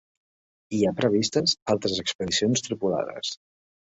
Hi ha previstes altres expedicions tripulades.